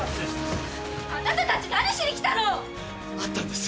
あなたたち何しに来たの！あったんです。